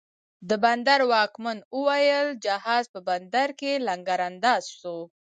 د بندر واکمن اوویل، جهاز په بندر کې لنګر انداز سو